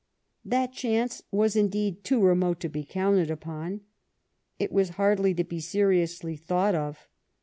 That chance was, indeed, too remote to be counted upon. It was hardly to be seriously thought of.